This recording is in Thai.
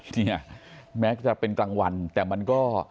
เนี่ยแม้จะเป็นกลางวันแต่มันก็